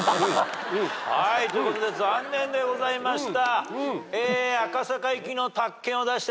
はいということで残念でございました。